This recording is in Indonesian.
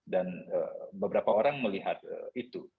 dan beberapa orang melihat itu